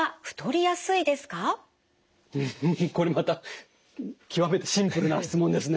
これまた極めてシンプルな質問ですね。